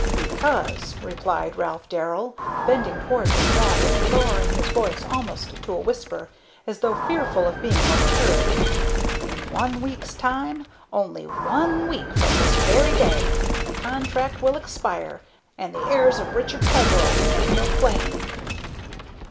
"Because," replied Ralph Darrell, bending towards his daughter, and lowering his voice almost to a whisper, as though fearful of being overheard, "in one week's time only one week from this very day the contract will expire, and the heirs of Richard Peveril can make no claim."